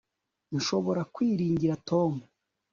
nshobora kwiringira tom